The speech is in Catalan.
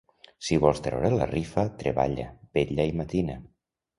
Si vols treure la rifa, treballa, vetlla i matina.